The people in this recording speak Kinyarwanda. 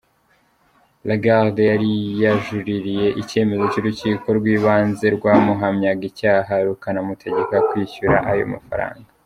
Lagarde yari yajuririye icyemezo cy’urukiko rw’ibanze rwamuhamyaga icyaha rukanamutegeka kwishyura ayo mafaranga.